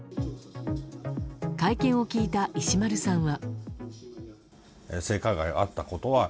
会見を聞いた石丸さんは。